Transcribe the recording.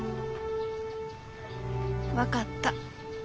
分かった。